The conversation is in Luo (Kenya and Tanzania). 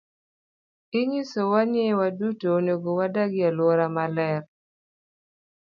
Inyisowa ni waduto onego wadag e alwora maler.